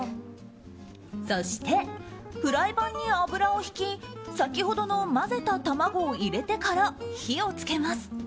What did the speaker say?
そしてフライパンに油をひき先ほどの混ぜた卵を入れてから火を付けます。